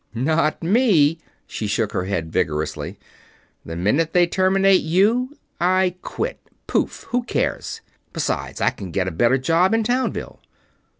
"Not me." She shook her head vigorously. "The minute they terminate you, I quit. Poof! Who cares? Besides, I can get a better job in Townville."